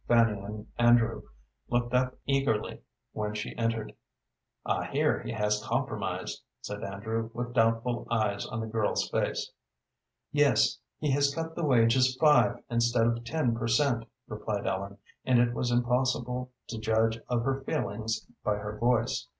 Fanny and Andrew looked up eagerly when she entered. "I hear he has compromised," said Andrew, with doubtful eyes on the girl's face. "Yes; he has cut the wages five instead of ten per cent.," replied Ellen, and it was impossible to judge of her feelings by her voice.